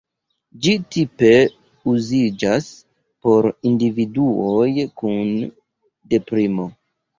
Ĝi tipe uziĝas por individuoj kun deprimo.